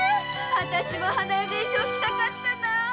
私も花嫁衣装着たかったな。